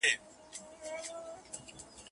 شاګرد د موضوع اړوند ليکني له کومه لولي؟